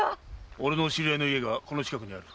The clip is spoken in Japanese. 俺の知り合いの家がこの近くにある。